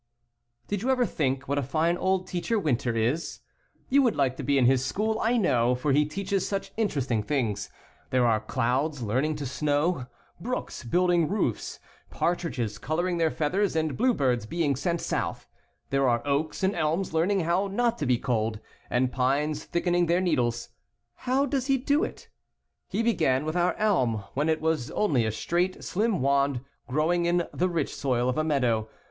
Did you ever think what a fine old teacher Winter is? You would like to be in his school, I know, for he teaches such interesting things. There are clouds learning to snow, brooks build ing roofs, partridges coloring their feathers, and bluebirds being sent south. There are oaks and elms learning how not to be cold, and pines thick ening their needles. How does he do it? He began with our elm when it was only a straight, slim wand growing in the rich soil of a meadow.